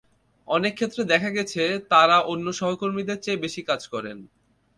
অনেক ক্ষেত্রে দেখা গেছে, তাঁরা অন্য সহকর্মীদের চেয়ে বেশি কাজ করেন।